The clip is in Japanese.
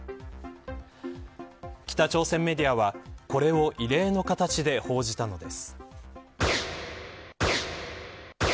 北朝鮮メディアはこれを異例の形で報じたのです。